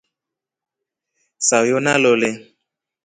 Sayo nalole.